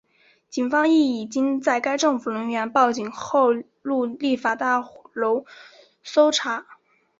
警方亦已经在该政府人员报警后进入立法会大楼搜查。